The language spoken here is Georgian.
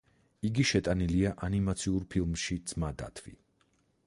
იგი შეტანილია ანიმაციურ ფილმში ძმა დათვი.